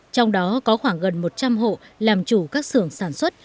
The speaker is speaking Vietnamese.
trong đó có khoảng gần một trăm linh hộ làm chủ các xưởng sản xuất